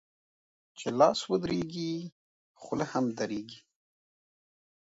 چي لاس و درېږي ، خوله هم درېږي.